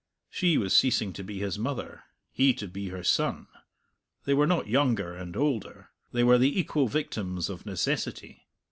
She was ceasing to be his mother, he to be her son; they were not younger and older, they were the equal victims of necessity.